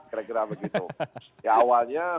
gerak gerak begitu ya awalnya